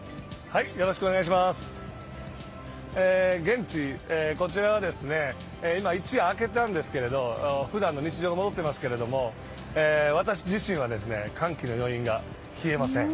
現地、こちらは今、一夜明けたんですけど普段の日常、戻っていますけど私自身は歓喜の余韻が消えません。